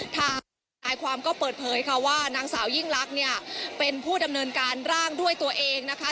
ทางนายความก็เปิดเผยค่ะว่านางสาวยิ่งลักษณ์เนี่ยเป็นผู้ดำเนินการร่างด้วยตัวเองนะคะ